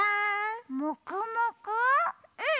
うん！